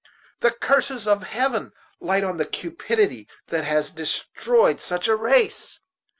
The curses of Heaven light on the cupidity that has destroyed such a race.